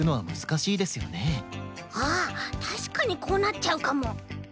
ああたしかにこうなっちゃうかも。